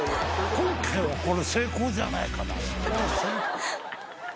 今回はこれ成功じゃないかな？